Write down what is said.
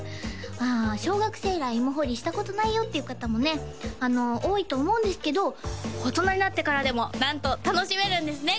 ああ小学生以来芋掘りしたことないよって方もね多いと思うんですけど大人になってからでもなんと楽しめるんですね